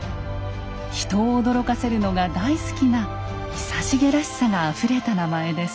人を驚かせるのが大好きな久重らしさがあふれた名前です。